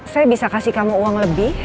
saya bisa kasih kamu uang lebih